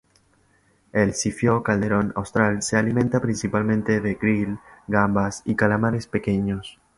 El zifio calderón austral se alimenta principalmente de krill, gambas y calamares pequeños.